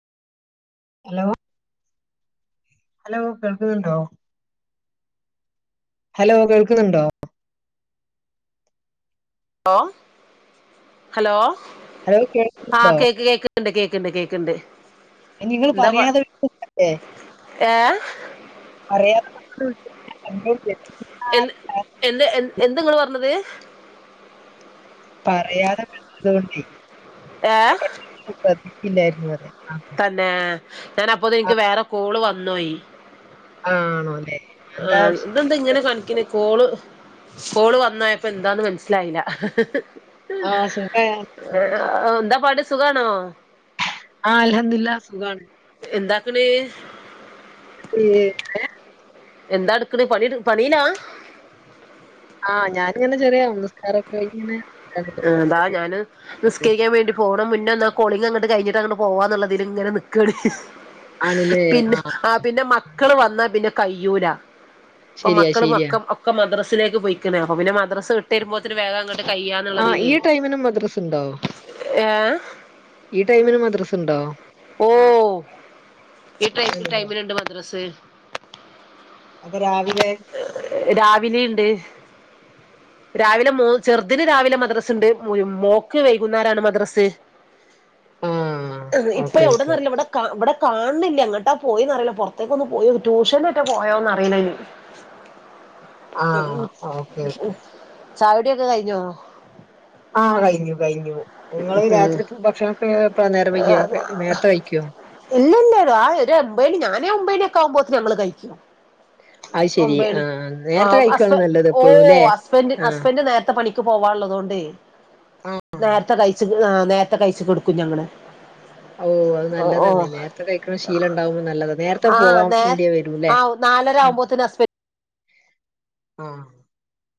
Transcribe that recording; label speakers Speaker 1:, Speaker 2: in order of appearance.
Speaker 1: Hello hello കേൾക്കുന്നുണ്ടോ, hello കേൾക്കുന്നുണ്ടോ?
Speaker 2: ലോ ഹലോ
Speaker 1: ഹലോ
Speaker 2: ആഹ്
Speaker 1: കേൾക്കുന്നുണ്ടോ
Speaker 2: കേക്ക് കേക്ക്. ക്കുണ്ട് കേക്കുണ്ട് കേക്കുണ്ട്.
Speaker 1: നിങ്ങള് പറയാതെ വിളിച്ചിട്ടല്ലേ?
Speaker 2: ഏഹ്
Speaker 1: അറിയാതെ അങ്ങോട്ട് വിളിച്ചിട്ട്. [unintelligible]
Speaker 2: എന്നാ എന്ത് എന്ത് നിങ്ങള് പറഞ്ഞത്?
Speaker 1: പറയാതെ വിളിച്ചത്തേണ്ട
Speaker 2: ഏ
Speaker 1: ഞാൻ പെട്ടെന്ന് ഒന്ന് ശ്രദ്ധിച്ചില്ലായിരുന്നു എന്നു പറഞ്ഞതാ.
Speaker 2: തന്നെ ഞാൻ അപ്പൊ എനിക്ക് വേറെ കോള് വന്ന് പോയി.
Speaker 1: ആഹ് ആണോല്ലേ?
Speaker 2: ആഹ് ഇതെന്താ ഇങ്ങനെ കാണിക്കണേ കോള് കോള് വന്നായിപ്പോ എന്താന്ന് മനസ്സില മനസ്സിലായില്ല
Speaker 1: ആഹ് സുഖവാ
Speaker 2: ഏഹ് എന്താ പാട് സുഖണോ?
Speaker 1: ആഹ് അൽഹംദുലില്ലാഹ് സുഖാണ്.
Speaker 2: എന്താക്കണ്?
Speaker 1: മീന്
Speaker 2: എന്താ എടുക്കണേ പണി പണിയിലാ?
Speaker 1: ആഹ് ഞാൻ ഇങ്ങനെ ചെറിയ നമസ്കാരം ഒക്കെ കഴിഞ്ഞ് ഇങ്ങനെ.
Speaker 2: ആഹ് ഇതാ ഞാന് നിസ്കരിക്കാൻ വേണ്ടി പോണം മുന്നൊന്ന് കോളിങ്ങ് അങ്ങട്ട് കഴിഞ്ഞിട്ട് അങ്ങോട്ട് പോവാന്നുള്ളതിലങ്ങനെ നിക്കാണ്.
Speaker 1: ആണല്ലേ
Speaker 2: പിന്നെ
Speaker 1: ആ
Speaker 2: ആഹ് പിന്നെ മക്കള് വന്നാ പിന്നെ കയ്യൂലാ. ഇപ്പൊ
Speaker 1: ശരിയാ
Speaker 2: മക്കള്
Speaker 1: ശരിയാ
Speaker 2: മക്കൊ ക്കെ മദ്രസിലേക്ക് പോയ്ക്കണ് അപ്പ പിന്നെ മദ്രസ വിട്ടു വെരുമ്പോത്തിന് വേഗം അങ്ങട്ട് കയ്യാ
Speaker 1: ആഹ് ഈ ടൈമിനും മദ്രസ്ണ്ടോ?
Speaker 2: ഏ
Speaker 1: ഈ ടൈമിന് മദ്രസ്ണ്ടോ?
Speaker 2: ഓഹ് ഈ ടൈ
Speaker 1: ആണല്ലേ
Speaker 2: ടൈമിലുണ്ട് മദ്രസ്
Speaker 1: അപ്പൊ രാവിലെ
Speaker 2: രാവിലീണ്ട്. രാവിലെ മോ ചെറുതിന് രാവിലെ മദ്രസണ്ട് മോ മോക്ക് വൈകുന്നേരാണ് മദ്രസ്
Speaker 1: ആഹ്
Speaker 2: ഇപ്പൊ
Speaker 1: ഓക്കെ
Speaker 2: എവിടുന്ന
Speaker 1: ഓക്കെ
Speaker 2: അറിയില്ല ഇവിടെ കാ ഇവിടെ കാണുന്നില്ല എങ്ങോട്ടാ പോയേന്നറിയില്ല പൊറത്തേക്ക് ഒന്ന് പോയോ ട്യൂഷന് എറ്റെ പോയോന്നറിയില്ല ഇനി
Speaker 1: ആഹ് ഓക്കെ ഓക്കെ
Speaker 2: ചായ കുടിയൊക്കെ കഴിഞ്ഞോ?
Speaker 1: ആഹ് കഴിഞ്ഞു കഴിഞ്ഞു നിങ്ങള്
Speaker 2: ഏ
Speaker 1: രാത്രി ഭക്ഷണൊക്കെ എപ്പളാ നേരം വൈകിയോ നേരത്തെ കഴിക്കോ?
Speaker 2: ഇല്ല ഇല്ല ആ ഒരുഒമ്പതിന് ഞാനേ ഒമ്പേന് ആകുമ്പോഴത്തേന് ഞങ്ങള് കഴിക്കും.
Speaker 1: അത് ശെരി
Speaker 2: ഒമ്പേന്
Speaker 1: ആഹ് നേരത്തെ
Speaker 2: ആഹ്
Speaker 1: കഴിക്കാണ്
Speaker 2: ഹസ്
Speaker 1: നല്ലത് എപ്പഴും
Speaker 2: ഓഹ്
Speaker 1: ല്ലേ
Speaker 2: ഹസ്ബൻഡ്
Speaker 1: ആഹ്
Speaker 2: ഹസ്ബൻഡ് നേരത്തെ പണി ണിക്ക് പോവാനുള്ളതു കൊണ്ടേ
Speaker 1: ആഹ്
Speaker 2: നേരത്തെ കഴിച്ച് ആ നേരത്തെ കഴിച്ച് കെടക്കും ഞങ്ങള്.
Speaker 1: ഓ അത്
Speaker 2: ഓ
Speaker 1: നല്ലത്
Speaker 2: ഓ
Speaker 1: തന്നെ നേരത്തെ കഴിക്കണ ശീലണ്ടാവുമ്പോൾ നല്ലതാ നേരത്തെ പോവാൻണ്ടി വരൂല്ലേ.
Speaker 2: ആഹ് നാലര ആവുമ്പോത്തിന് ഹസ്ബ
Speaker 1: ആഹ്